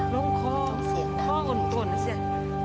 ลงข้อข้อก่อนนะเซีย